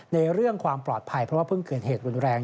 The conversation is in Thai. ในเรื่องความปลอดภัยเพราะว่าเพิ่งเกิดเหตุรุนแรง